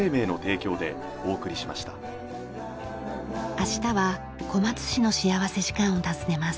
明日は小松市の幸福時間を訪ねます。